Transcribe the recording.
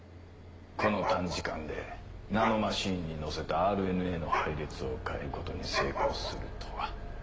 この短時間でナノマシンに載せたＲＮＡの配列を変えることに成功するとは。